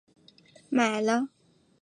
买了串烧和鲷鱼烧